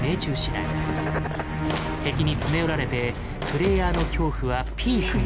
敵に詰め寄られてプレイヤーの恐怖はピークに。